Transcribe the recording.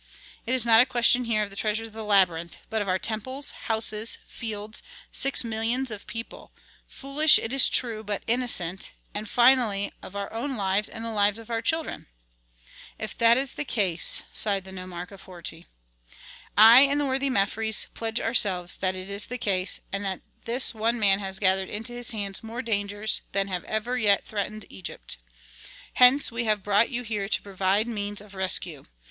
It is not a question here of the treasures of the labyrinth, but of our temples, houses, fields, six millions of people, foolish, it is true, but innocent, and finally of our own lives and the lives of our children." "If that is the case " sighed the nomarch of Horti. "I and the worthy Mefres pledge ourselves that it is the case, and that this one man has gathered into his hands more dangers than have ever yet threatened Egypt. Hence we have brought you here to provide means of rescue.